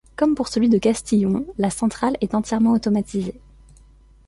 Comme pour celui de Castillon, la centrale est entièrement automatisée.